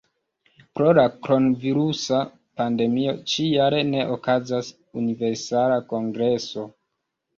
Pro la kronvirusa pandemio ĉi-jare ne okazas Universala Kongreso.